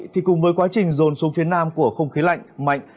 thì cùng với quá trình rồn xuống phía nam của không khí lạnh mạnh